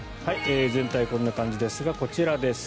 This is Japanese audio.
全体、こんな感じですがこちらです。